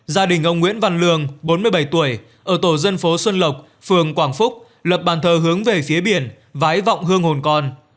gia đình ông nguyễn văn lương bốn mươi bảy tuổi ở tổ dân phố xuân lộc phường quảng phúc lập bàn thờ hướng về phía biển vái vọng hương hồn con